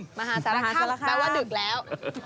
มหาสระค่ำแปลว่าดึกแล้ว